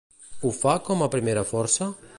Ho fa com a primera força?